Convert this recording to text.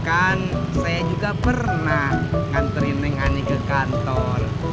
kan saya juga pernah kantori neng ani ke kantor